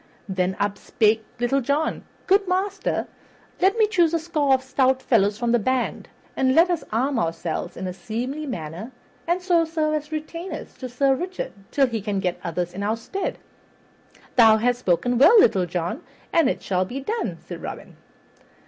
Then up spake Little John, "Good master, let me choose a score of stout fellows from the band, and let us arm ourselves in a seemly manner and so serve as retainers to Sir Richard till he can get others in our stead." "Thou hast spoken well, Little John, and it shall be done," said Robin.